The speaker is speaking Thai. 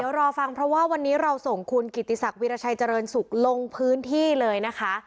เดี๋ยวรอฟังเพราะว่าวันนี้เราส่งคุณกิติศักดิราชัยเจริญสุขลงพื้นที่เลยนะคะ